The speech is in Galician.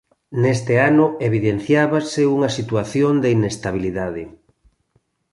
Neste ano evidenciábase unha situación de inestabilidade.